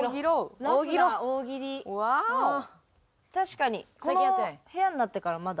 確かにこの部屋になってからまだ。